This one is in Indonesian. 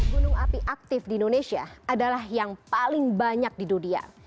gunung api aktif di indonesia adalah yang paling banyak di dunia